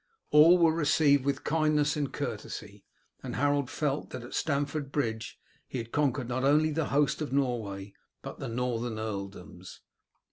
All were received with kindness and courtesy, and Harold felt that at Stamford Bridge he had conquered not only the host of Norway but the Northern earldoms.